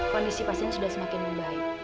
kondisi pasien sudah semakin membaik